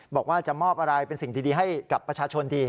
บอกว่าจะมอบอะไรเป็นสิ่งดีให้กับประชาชนดี